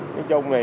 nói chung thì